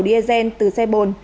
diesel từ xe bồn